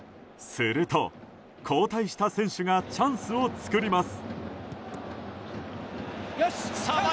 すると、交代した選手がチャンスを作ります。